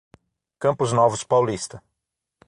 Campos Novos Paulista